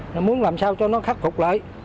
nó muốn làm sao cho nó khắc phục lại